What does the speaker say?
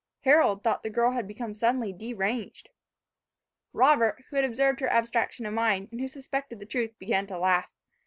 Harold thought the girl had become suddenly deranged. Robert, who had observed her abstraction of mind, and who suspected the truth, began to laugh.